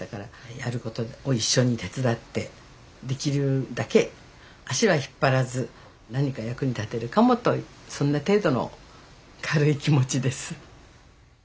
やることを一緒に手伝ってできるだけ足は引っ張らず何か役に立てるかもとそんな程度の軽い気持ちです。